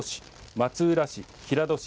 松浦市平戸市